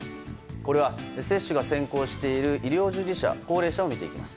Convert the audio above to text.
これは、接種が先行している医療従事者、高齢者を見ていきます。